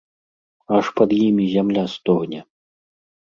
Аж пад імі зямля стогне!